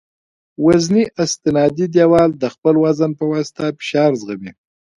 وزني استنادي دیوال د خپل وزن په واسطه فشار زغمي